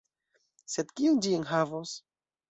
Sed kion ĝi enhavos?